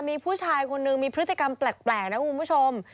มีผู้ชายคนนึงมีพฤติกรรมแปลกนะคุณผู้ชม